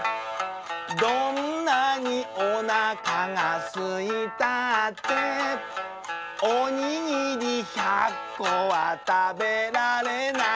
「どんなにおなかがすいたって」「おにぎり１００こはたべられない」